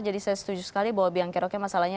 jadi saya setuju sekali bahwa biancarloke masalahnya